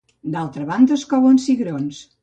D'altra banda es couen cigrons.